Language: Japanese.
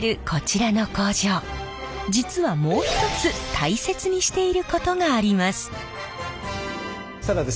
実はもう一つ大切にしていることがあります。